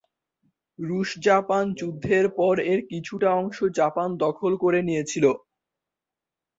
রুশ-জাপান যুদ্ধের পর এর কিছুটা অংশ জাপান দখল করে নিয়েছিল।